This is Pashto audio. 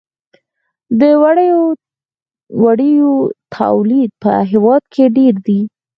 د وړیو تولید په هیواد کې ډیر دی